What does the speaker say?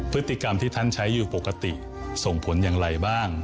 พฤติกรรมที่ท่านใช้อยู่ปกติส่งผลอย่างไรบ้าง